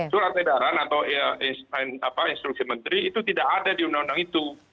surat edaran atau instruksi menteri itu tidak ada di undang undang itu